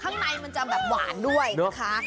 ข้างในมันจะแบบหวานด้วยนะคะ